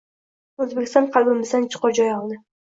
O‘zbekiston qalbimizdan chuqur joy oldi